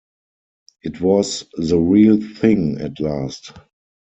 It was the real thing at last.